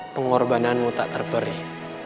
pengorbananmu tak terperih